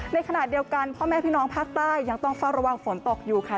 ในขณะเดียวกันพ่อแม่พี่น้องภาคใต้ยังต้องเฝ้าระวังฝนตกอยู่ค่ะ